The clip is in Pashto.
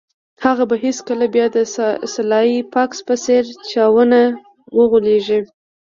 هغه به هیڅکله بیا د سلای فاکس په څیر چا ونه غولیږي